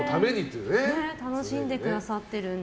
楽しんでくださってるんだ。